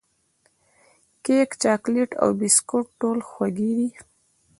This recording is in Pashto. کیک، چاکلېټ او بسکوټ ټول خوږې دي.